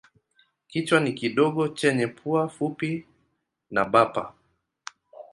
Kichwa ni kidogo chenye pua fupi na bapa.